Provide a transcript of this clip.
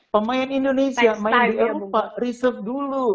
pemain indonesia main di eropa reserve dulu